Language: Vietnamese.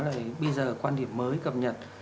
là bây giờ quan điểm mới cập nhật